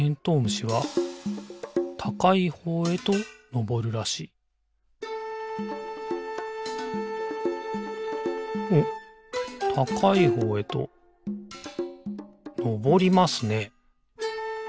虫はたかいほうへとのぼるらしいおったかいほうへとのぼりますね。